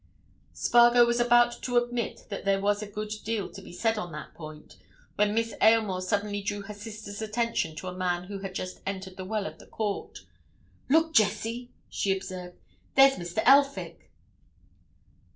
Spargo was about to admit that there was a good deal to be said on that point when Miss Aylmore suddenly drew her sister's attention to a man who had just entered the well of the court. "Look, Jessie!" she observed. "There's Mr. Elphick!"